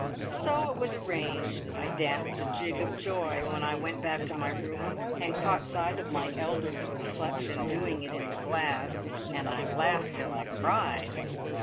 So it was arranged. I danced a jig of joy when I went back to my room, and caught sight of my elderly reflection doing it in the glass, and laughed till I cried.